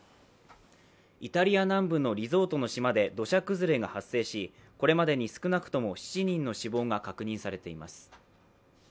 イタリア南部のリゾートの島で土砂崩れが発生しこれまでに少なくとも７人の死亡が確認されています。